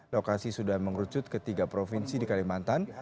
lokasi sudah mengerucut ke tiga provinsi di kalimantan